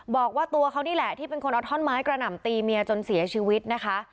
บอกว่าตัวเขานี่แหละที่เป็นคนเอาท่อนไม้กระหน่ำตีเมียจนเสียชีวิตนะคะ